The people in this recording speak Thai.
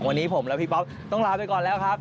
วันนี้ผมและพี่ป๊อปต้องลาไปก่อนแล้วครับ